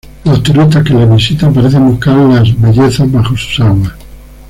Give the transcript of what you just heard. Los turistas que la visitan parecen buscar las bellezas bajo sus aguas.